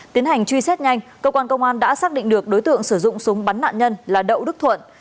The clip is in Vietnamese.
tiến hành truy xét nhanh cơ quan công an đã xác định được đối tượng sử dụng súng bắn nạn nhân là đậu đức thuận